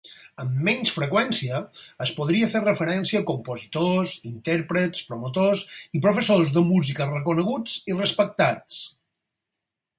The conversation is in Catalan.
Amb menys freqüència, es podria fer referència a compositors, intèrprets, promotors i professors de música reconeguts i respectats.